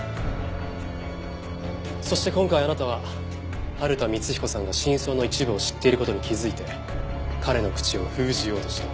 そして今回あなたは春田光彦さんが真相の一部を知っている事に気づいて彼の口を封じようとした。